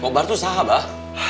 kobar itu sahabah